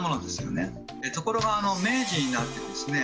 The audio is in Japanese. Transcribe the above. ところが明治になってですね